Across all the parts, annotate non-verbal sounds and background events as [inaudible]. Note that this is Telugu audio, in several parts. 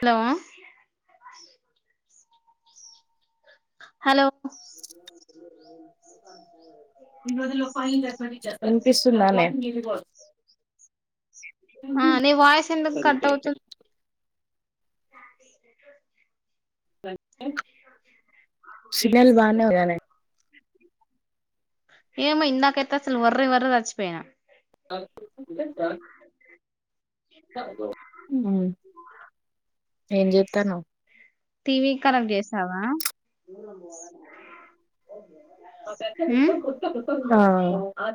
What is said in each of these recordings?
హలో హలో ఈరోజుల్లో ఫైల్ అనిపిస్తున్నా అండి ఆ నీ వాయిస్ ఎందుకు కట్ అవుతుంది అ సిగ్నల్ బానే ఏమ ఇందాకైతేసలు వర్ వర్ వచ్చి పోయనా సార్ ఏం చెత్తన్నవ్ టీవీ కి కనెక్ట్ చేసావా ఉమ్ ఆ ఆ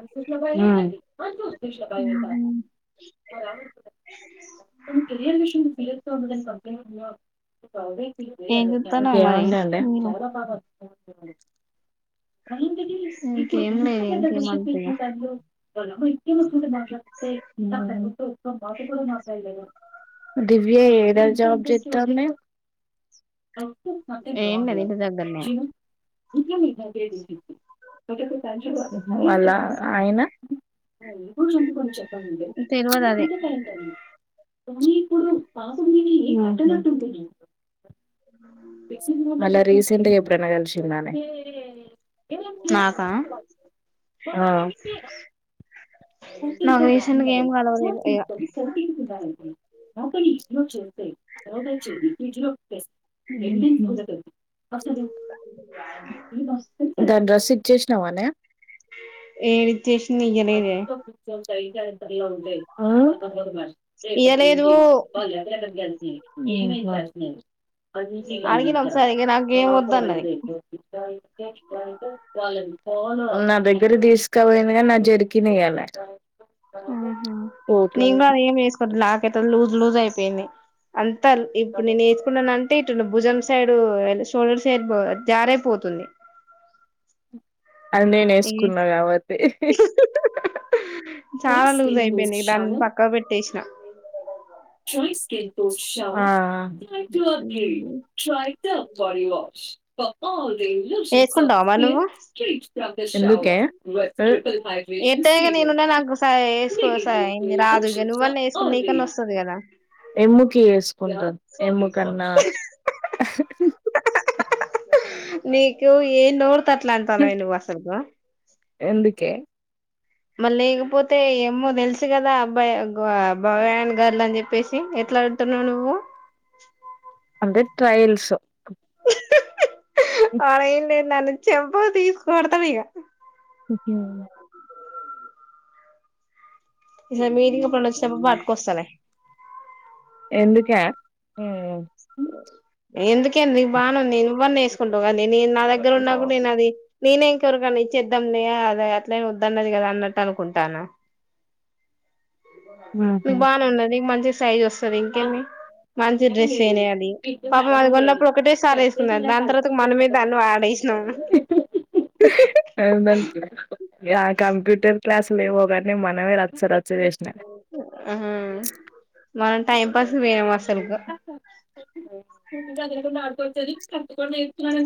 ెర్ విష ఇంకేమంట ఏం చూత్తన్నావ్ మరి అండి మీరు ఓ అలాంటిది ఇప్పుడు ఇంకేం ఇంత లేదు పెద్ద డెసిషన్ ఇంకేమంత ఇగ తీసుకునే టైం లో ఉ దివ్య ఏద జాబ్ చెత్తాంది మే ఏం తవాదు లేదు ఇంటి దగ్గరనే జీ మళ్ళ అయిన ఇ గు చందు కొన్ని చెప్పంద తెల్వదు అది మీకా టంట ఉహు మళ్ళా రీసెంట్గా ఎప్పుడనా కలిసిండా నే నాకా ఆ నాకు ర రీసెంట్ గా ఏం కలవలేదు ఇగ చ సకి మా ఇ చెత స చె ఇ దాన్ని డ్రెస్ ఇచ్చేసినావానే ఏ విచ్చేషిని ఇయ్యలేదే ఆ ఏంటో అసలు ఇయ్యలేదు అడిగిన ఒకసారి ఇగ నాకేం వద్దన్నది అదిాల [unintelligible] నా దగ్గర తీసుకుపోయిందిగా నా జర్కిన్ ఇయ్యాలే అహ కోటు నేను గాని ఏం వేసుకుట నా లూజ్ లూజ్ అయిపోయింది అంత ఇప్పుడు నేను ఎసుకున్నాను అట్ ఇట్ భుజం సైడ్ షోల్డర్ సైడ్ జారే పోతుంది అది నేను ఎసుకున్నా కాబట్టి చాలా లూజ్ అయిపోయినాయి దాన్ని పక్కా పెట్టేసిన ఆ టై ట అకీ ట్రై ట పవస్ వేసుకుంటావా మరి [unintelligible] ఎందుకే ఎంత నేనున్నా నాకు స ఎసుకో స ఇంగ రాదు ఇగ నువ్వన్నా ఎసుకో నీకన్నా వస్తది కదా ఎమ్ముకి వేసుకుంటా ఎమ్ముకన్నా నీకు ఏ నోరుతట్లా అట్ల అంటాన్నావే నువ్ అసలకు ఎందుకే మల్లి లేకపోతే ఏమో తెలుసు కదా అబ్బాయి బాయ్ అండ్ గర్ల్ అని చెప్పేసి ఎట్ల అంటున్నావు నువ్వు అంటే ట్రయల్స్ ఆ ఏం లేదు నన్ను చెంపకు తీసుకోడతాడు ఇగ ఓకే ఈసారి నిథిగ పండగ వచ్చినప్పుడు పట్టుకొస్తాలే ఎందుకే ఉ ఎందుకేంది నీకు బానేంది నువ్వున్న వేసుకుంటావు కనీ నేను నా దగ్గర ఉన్నప్పుడు నేను అది నేనే ఇంకెవరికన్న ఇచ్చిద్దాం లే అద అట్లే వద్దన్నది కదా అన్నట్టు అనుకుంటాన [inaudible] మీకు బానే ఉన్నది మంచి సైజ్ వస్తది ఇంకేది మంచి డ్రెస్. తేనే అది పాపం అది గొన్నప్పుడు ఒకటేసారి ఎసుకున్న దాని తర్వాత మనమే దాన్ని వాడేసినాము. అవున అంకుల్ ఆ కంప్యూటర్ క్లాసులు ఏమో గాని మనమే రచ్చ. చేసినా మ్మ్ మనం టైం పాస్కు పోయినం అసల్కు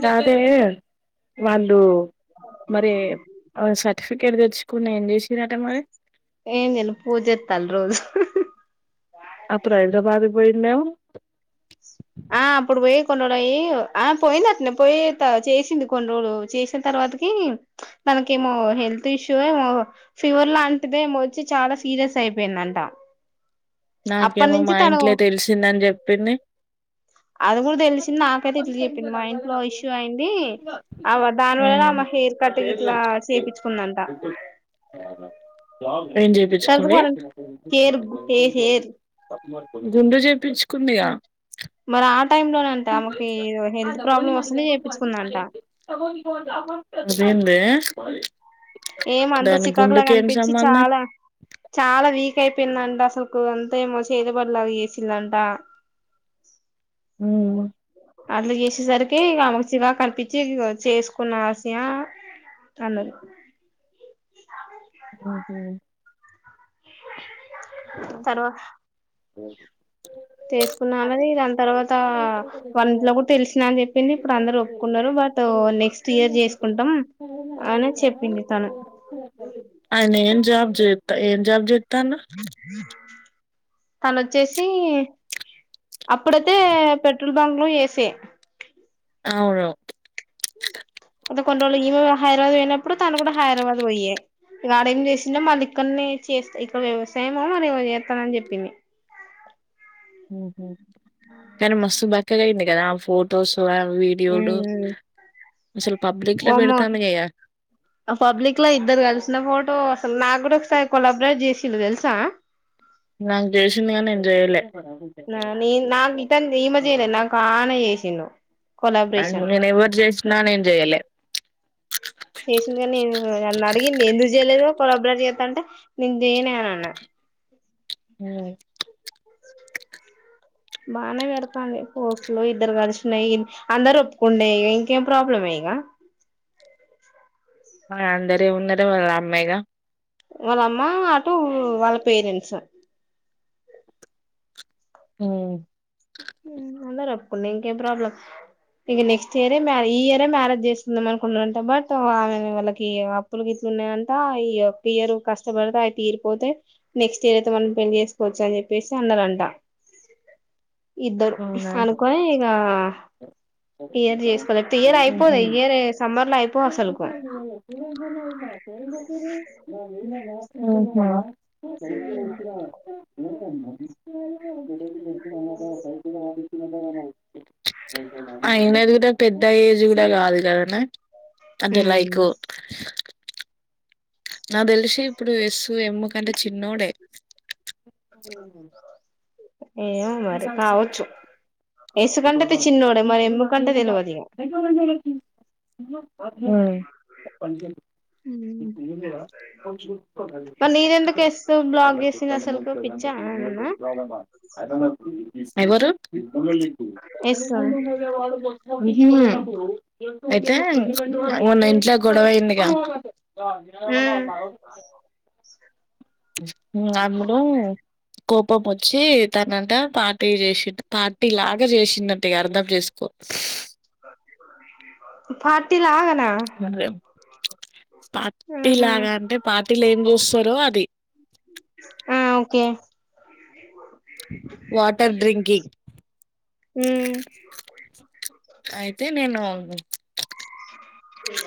కాదే వాళ్ళు. మరి సర్టిఫికెట్ తెచ్చుకుని ఏం చేసిందట మరి ఏం జేయను పూజిత్తాలు రోజు. అప్పుడు హైదరాబాద్కి పోయిన్నవు. ఆ అప్పుడు పోయి కొన్ని రోలు అయ్యి ఆ పోయింది అట్నే పోయి త చేసింది కొన్ని రోలు చేసిన తర్వాతకి తనకేమో హెల్త్ ఇష్యూ ఏమో ఫీవర్ లాంటిదే ఏమో వచ్చి చాలా సీరియస్ అయిపోయింది. నంటా నాకేమో మా ఇంట్లో తెలిసిందని జేప్పింది. అది కూడా దెలిసింది నాకైతే ఇట్లు చెప్పింది మా ఇంట్లో ఇష్యూ అయింది అవ దానివల్ల హెయిర్ కట్ గిట్లా చేపించుకుందంట. ఏం తర్వాత జేపించుకుంది. వాళ్ళ హెయిర్ హే హెయిర్ గుండు చేపించుకుందిగా. మరి ఆ టైం లోనే అంట ఆమెకి హెల్త్ ప్రాబ్లమ్ వస్తనే చేపించుకుందంట. అదేందే ఏమో అంతా దాని చికాగుల గుండుకి ఏం కనిపించి చాలా చాలా వీక్ అ పిన్న అంట అసలుకు అంతా ఏమో చేతబడ్లు అవి ఎసిల్లంట అమ్మనియమ్మ అట్ల చేసేసరికి ఇగ ఆమెకు చిరాకనిపించి ఇగ చేసుకున్న హాస్య అన్నది అపోల్ అక్కడికి వెళ్తం తర్వా కాదు చేసుకున్నా అన్నది దాని తర్వాత వాళ్ళ ఇంట్లో కూడా తెలిసినా అని చెప్పింది ఇప్పుడు అందరూ ఒప్పుకున్నారు బట్ ఒ నెక్స్ట్ ఇయర్ జేసుకుంటాం అని చెప్పింది తను ఆయనేం జాబ్ జేత్త ఏం జాబ్ జేత్తన తను వచ్చేసి అప్పుడతే పెట్ లు బంగ్లో ఏసే అవున కొ కొన్ని రోలు ఈమె హైదరాబాద్ పోయినప్పుడు తను కూడా హైదరాబాద్ పోయ్యే గాడేం చేసిండో మళ్ళీ ఇక్కన్నే చేస్ ఇక్కడ వ్యవసాయము మరేమో చేత్తనని చెప్పింది మ్ హు కానీ మస్తు బక్కగా అయ్యింది కదా ఫోటోస్ ల వీడియోలో వామ్మో ఆ పబ్లిక్లా ఇద్దరు కల్సి న ఫోటో అసలు నా గూడా ఒకసారి కొల్లబ్రేట్ చేసిండు తెలుసా నా జేసింది గానీ నేన్ జేయలే నా నేన్ నాక్ ఇతన్ ఈమె చేయలే నాకు ఆయన చేసిండు కొల్లాబ్రేషన్ స్నానం చేయలే చేసింది కానీ నేను నన్ను అడిగింది ఎందుకు చేయలేదు కొల్లబ్రే ట్ చెత్తంటే నేనుచేయను అన్నా హు బానే పెడతంది పోస్ట్లు ఇద్దరు కలిసినయి అందరు ఒప్పుకుండే ఇంకేం ప్రాబ్లమ్ ఎ ఇంగ అందరు ఏమున్నరు వాళ్ళ అమ్మేగా వాళ్ళ అమ్మా అటు వాళ్ళ పేరెంట్స్ ఆ అందరు ఒప్పుకుండే ఇంకేం ప్రాబ్లమ్ ఇక నెక్స్ట్ ఇయరే మ్య ఈ ఇయరే మ్యారేజ్ చేసుకుందాం అనుకున్నారంట బట్ ఆమె వాళ్ళకి అప్పుల గిప్పు న్నాయంట ఈ ఒక్క ఇయర్ కష్టపడితే అవి తీరిపోతే నెక్స్ట్ ఇయర్ అయితే మనం పెళ్లి చేసుకోవచ్చు అని చె చెప్పేసి అన్నారంట ఇద్దరు అవునా అనుకొని ఇగా ఇయర్ చేసుకోలతే ఇయర్ అయిపోదు ఉహు. ఇయర్ సమ్మర్ లో అయిపోదు అసలుకు [inaudible] అహా [inaudible] అయినది కూడ పెద్ద ఏజ్ కూడ కాదు [unintelligible] అంటే లైకు నాకు తెలిసి ఇప్పుడు ఎస్సు ఎమ్ము కంటే చిన్నోడే ఏమో మరి కావచ్చు ఎస్ కంటే చిన్నోడే మరి ఎమ్ముకంటే తెలివదు ఇగ హు [inaudible] ఉమ్ మరి నీదెందుకు ఎస్తవ్ బ్లాక్ చేసింది అసలుకు పిచ్చా ఏమన్నా [inaudible] ఎవరు ఎస్తవ్ మ్ హూ అయితే మోన్న ఇంట్లో గొడవయిందిగా [inaudible] ఉమ్ అబ్బుడు కోపం వచ్చి తనంట పార్టీ చేసి పార్టీ లాగా చేసినంట అర్థం చేసుకో పార్టీ ల [unintelligible] పార్టీ ఉహు లాగ అంటే పార్టీలు ఏం చూస్తారో అది ఆ ఓకే వాటర్ డ్రింకింగ్ ఉమ్ అయితే నేను ఇద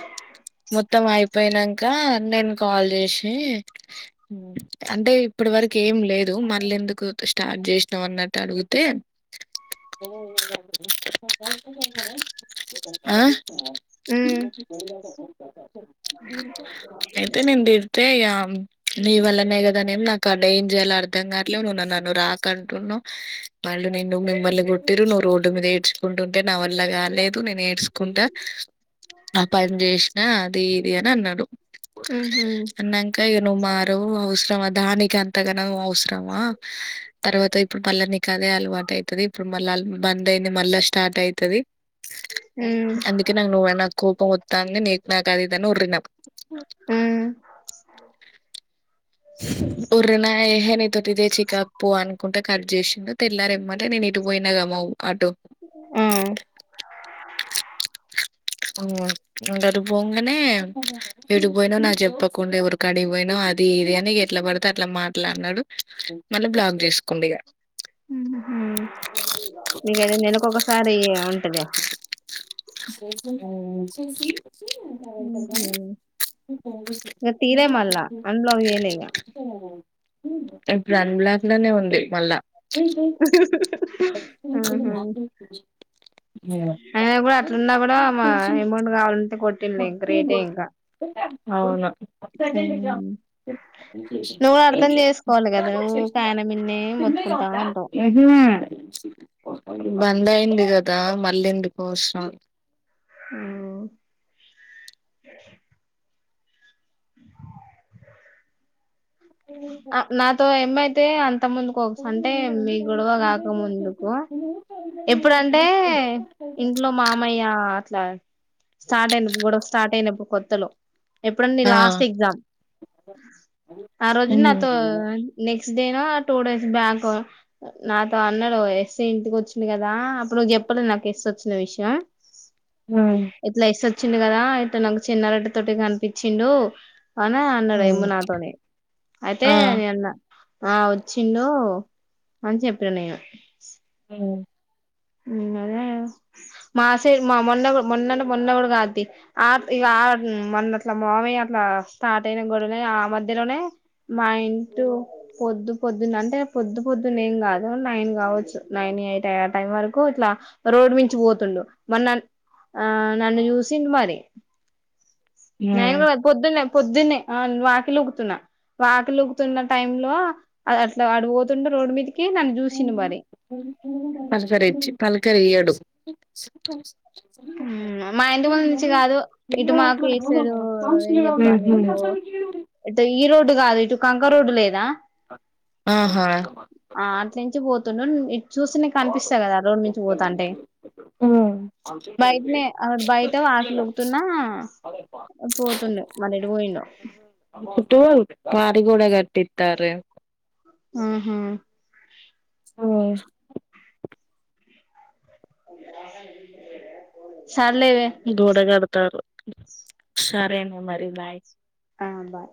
మొత్తం అయిపోయినంక నేను కాల్ చేసి అంటే ఇప్ డు వరకు ఏం లేదు మళ్ళ ఎందుకు స్టార్ట్ చేసినావ్ అన్నట్టు అడుగు ఆ [inaudible] ఉమ్ అయితే నిను తిడ్తే ఇగ నీ వల్లనే కదా నేమి నాకు అడ ఏం చేయలో అర్ధం కావలే నును నవ్వు రాకుంటున్నావు వాళ్ళు నిన్ను మిమ్మర్లు కొట్టిరు నువ్వు రోడ్డు మీద ఏడ్చుకుంటుంటే నా వల్ల కాలేదు నేను ఏడ్చుకుంటా ఆ పన్చేస్ ఆ అది ఇది అని అన్నాడు ఉహు అన్నాంక ఇగ నువ్వు మారవు ఉస్తవ దానికి అంతగా నవ్ అవసరమా తర్వాత ఇప్పుడు మళ్లనీకి అదే అలవాటు అయితది ఇప్పుడు మళ్ళా అల్ బంద్ అయింది మళ్ళా స్టార్ట్ అయితది ఉమ్ అందుకే నాకు నువ్వనా కోపం వొత్తాంది నీక్ నాకు అదీది అని ఒర్లినావ్ మ్మ్ ఒర్రినా నీతోటి ఇదే చికాకు పో అనుకుంట కట్ చేసిండు తెల్లారేమ్మటే నేను ఇటు పోయినగామావ్ అటూ మ్మ్ మ్మ్ ఇంగ అటూ పొంగానే ఎటుపోయినావ్ నాకు చెప్పకుండా ఎవరికాడికి పోయినావ్ అది ఇది అని ఎట్లా పడితే అట్లా మాట్లాడినాడు మళ్ళీ బ్లాగ్ చేసుకుండు ఇగా మ్మ్ హు ఇగ అది నెలకొకసారి ఉన్ మ్మ్ ఉహు ఇగ [inaudible] తీయలే మళ్ళా అన్బ్లాక్ చేయలే ఇగ ఇప్పుడు అన్ బ్లాక్ లోనే ఉంది మళ్ళా మ్మ్ హు అయినా కూడా అట్లున్నా కూడా మా అమౌంట్ కావాలంటే కొట్టిండు ఇంకా రేటే ఇంకా అవునా [inaudible] ఉమ్ నువ్వు కూడా అర్థం చేసుకోవాలి కదా ఊకె ఆయన మిన్నే మొత్తుకుంటా ఉంటావు మ్మ్ హు బంధయింది కదా మల్లెందుకు వచ్చినావ్ మ్మ్ ఆ నాతో ఎమ్మయితే అన్ అంతకముందు కొక్స్ అంటే మీ గొడవ కాక ముందుకు ఎప్పుడంటే ఇంట్లో మామయ్య అట్లా స్టార్ట్ అయినప్పుడు గొడవ స్టార్ట్ అయినప్పుడు కొత్తలో ఎప్పుడండి లాస్ట్ ఆ ఎగ్జామ్ ఆ రోజు నాతో నెక్స్ట్ క్స్ డే టూ డేస్ బ్యాక్ నాతో అన్నాడు ఎస్సై ఇంటికొచ్చి ఉంది కదా అప్పుడు నువ్వు చెప్పలే నాకు ఎస్ వచ్చిన విషయం ఎట్లా ఎస్ వచ్ వచ్చిండు కదా అయితే నాకు చిన్నరొడ్ తోటి కనిపిచ్చిండు అనా అన్నాడు ఎమ్మునాతోనే అయితే ఆ నే అన్న ఆ వచ్చిండు అని చెప్పానా నేను మ్మ్ మ్మ్ అదే మాసై మా మొన్న కూ మొన్ననే మొన్న కూడా కాదు తీ ఆప్ ఇగ ఆ మొన్నట్లా మామ య్య అట్లా స్టార్ట్ అయిన గూడనే ఆ మధ్యలోనే మా ఇంటూ పొద్దు పొద్దున్న అంటే పొద్దు పొద్దున్న ఏం గాదు నైన్ గావచ్చు నైన్ నే అయితే ఆ టైమ్ వరకు కు అట్ల రోడ్ మించి ఓతుండు మరి నన్ ఆ నన్ను చూసిండు మరి నేను గుడ పొద్దున్నే పొద్దున్నే ఆ వాకిల్లో కూచ్చున్న వాకిల్లో కుచ్చోనిన్నా టైంలో అది అట్ల అడు ఓతుండే రోడ్డు మీదకి నన్ను చూసిండు మరి పలకరిచ్చి పలకరియ్యడు మ్మ్ మా ఇంటి ముందు నుంచి కాదు ఇటు మాకు ఇటు సైడ్ ఏం జెప్పా లే నీకు అంటే ఈ రోడ్డు కాదు ఇటు కంక రోడ్డు లేదా ఆ హా తునుండు ఇటు చూస్తేనే కనిపిస్తా కదా రోడ్ మించి పోతాంటే బయట్నే అక్కడ బైట వాకిలివుగుతున్నా పోతుండే మరి ఎటు పోయిండో ఒట్టు మాదిగూడ కట్టిత్తారే ఆహా ఉమ్మ్ అ [unintelligible] గోడ కడతారు సరేమో మరి బాయ్ ఆ బాయ్